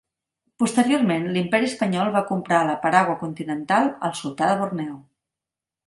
Posteriorment, l'imperi espanyol va comprar la Paragua continental al sultà de Borneo.